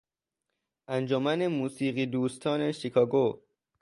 انجمن موسیقی دوستان شیکاگو